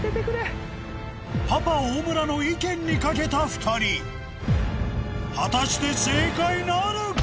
パパ大村の意見に賭けた２人果たして正解なるか？